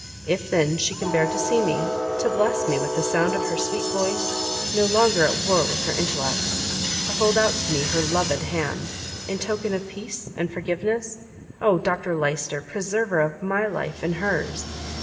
If then she can bear to see me, to bless me with the sound of her sweet voice, no longer at war with her intellects, to hold out to me her loved hand, in token of peace and forgiveness. Oh, Dr Lyster! preserver of my life in hers!